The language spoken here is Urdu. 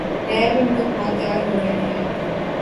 نیب میں مقدمات تیار ہو رہے ہیں۔